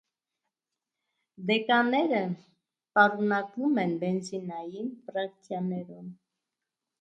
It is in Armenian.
Դեկանները պարունակվում են բենզինային ֆրակցիաներում։